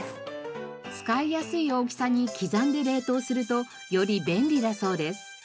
使いやすい大きさに刻んで冷凍するとより便利だそうです。